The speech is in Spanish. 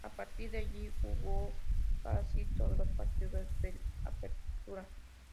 A partir de ahí, jugó casi todos los partidos del Apertura.